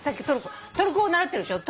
トルコ語習ってるでしょ？